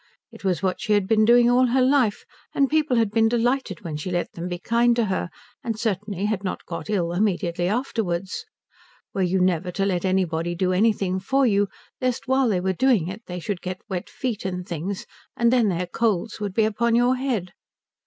It was what she had been doing all her life, and people had been delighted when she let them be kind to her, and certainly had not got ill immediately afterwards. Were you never to let anybody do anything for you lest while they were doing it they should get wet feet and things, and then their colds would be upon your head?